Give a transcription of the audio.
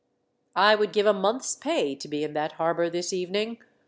"I would give a month's pay to be in that harbour this evening.